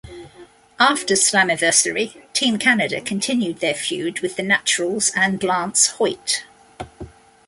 After Slammiversary Team Canada continued their feud with The Naturals and Lance Hoyt.